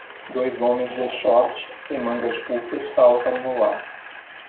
Dois homens de short e mangas curtas saltam no ar